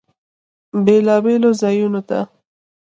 بیلابیلو ځایونو ته